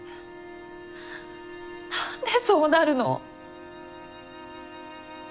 何でそうなるの？